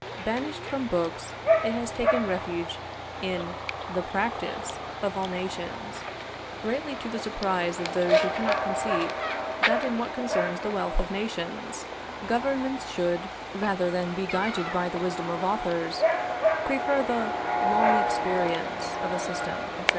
Banished from books, it has taken refuge in the practice of all nations, greatly to the surprise of those who cannot conceive that in what concerns the wealth of nations, governments should, rather than be guided by the wisdom of authors, prefer the long experience of a system, etc....